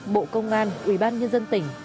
bộ công an ubnd tỉnh